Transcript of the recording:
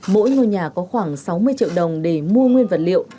mỗi ngôi nhà có khoảng sáu mươi triệu đồng để mua nguyên vật liệu